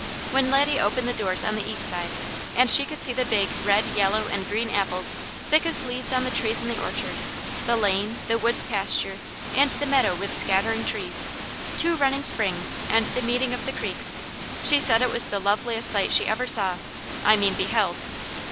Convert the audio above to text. When Laddie opened the doors on the east side, and she could see the big, red, yellow, and green apples thick as leaves on the trees in the orchard, the lane, the woods pasture, and the meadow with scattering trees, two running springs, and the meeting of the creeks, she said it was the loveliest sight she ever saw I mean beheld.